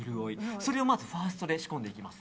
それをまずファーストで仕込んでいきます。